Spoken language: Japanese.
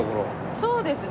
そうですね